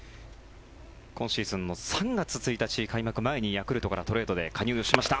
今シーズンの３月１日開幕前にヤクルトからトレードで加入しました。